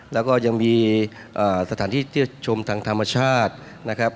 แล้วก็ยังมีสถานที่เที่ยวชมทางธรรมชาตินะครับ